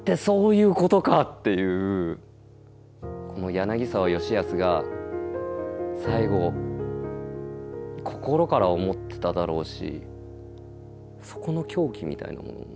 この柳沢吉保が最後心から思ってただろうしそこの狂気みたいなものも。